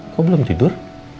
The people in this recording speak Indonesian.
kok belum tidur